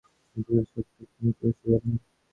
চিঠিগুলি ছোটো কিন্তু রসে ভরা।